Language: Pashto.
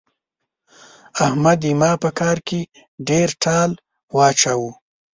احمد زما په کار کې ډېر ټال واچاوو.